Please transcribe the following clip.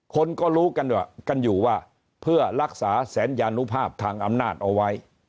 คนก็รู้กันอยู่ว่าเพื่อรักษาสัญญานุภาพทางอำนาจเอาไว้